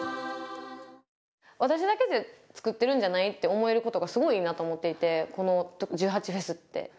私だけで作ってるんじゃないって思えることがすごいいいなと思っていてこの１８祭って。